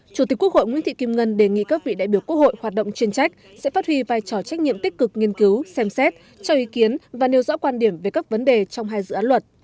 chủ tịch quốc hội nguyễn thị kim ngân đề nghị các vị đại biểu quốc hội hoạt động chuyên trách sẽ phát huy vai trò trách nhiệm tích cực nghiên cứu xem xét cho ý kiến và nêu rõ quan điểm về các vấn đề trong hai dự án luật